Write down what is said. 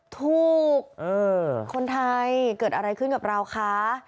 ถูกคนไทยเกิดอะไรขึ้นกับเราคะ